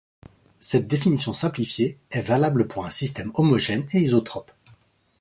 Cette définition simplifiée est valable pour un système homogène et isotrope.